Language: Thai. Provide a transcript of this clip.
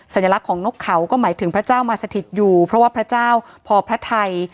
สัญลักษณ์ของนกเขาก็หมายถึงพระเจ้ามาสถิตอยู่เพราะว่าพระเจ้าพอพระไทย